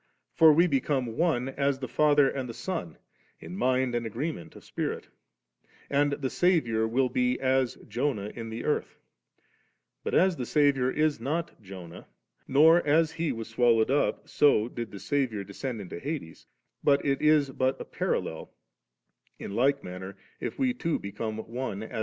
For we become one as the Father and the Son in mind and agree ment 3 of spirit, and the Saviour will be as Jonah in the earth ; but as the Saviour is not Jonah, nor, as he was swallowed up, so did the Saviour descend into hades, but it is but a parallel, in like manner, if we too become one, as the Son in the Father, we shall not be as f Vid.